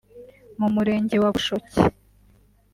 mu Murenge wa Bushoki